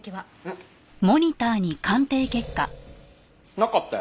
なかったよ。